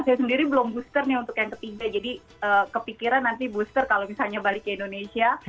vaksin sendiri belum booster nih untuk yang ketiga jadi kepikiran nanti booster kalau misalnya balik ke indonesia